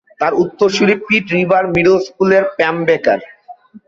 তার উত্তরসূরি Pitt River Middle স্কুলের প্যাম বেকার।